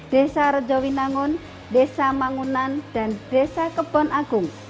desa rejo winangun desa mangunan dan desa kebon agung